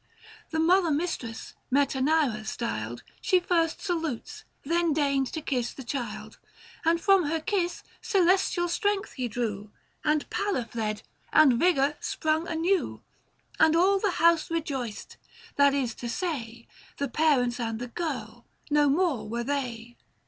The mother mistress, Metanira styled, She first salutes, then deigned to kiss the child, 610 And from her kiss celestial strength he drew, And pallor fled, and vigour sprung anew ; And all the house rejoiced — that is to say, The parents and the girl, no more were they.